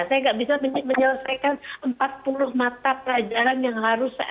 saya nggak bisa menyelesaikan empat puluh mata pelajaran yang harus saya